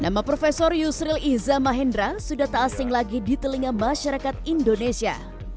nama profesor yusril iza mahendra sudah tak asing lagi di telinga masyarakat indonesia